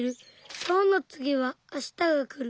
きょうのつぎはあしたが来る。